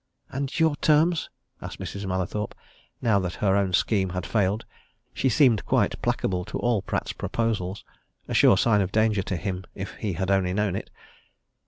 "And your terms?" asked Mrs. Mallathorpe. Now that her own scheme had failed, she seemed quite placable to all Pratt's proposals a sure sign of danger to him if he had only known it.